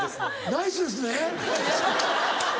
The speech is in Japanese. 「ナイスですねぇ」？